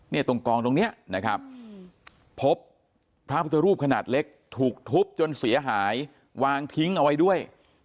ตรงกองตรงนี้นะครับพบพระพุทธรูปขนาดเล็กถูกทุบจนเสียหายวางทิ้งเอาไว้ด้วย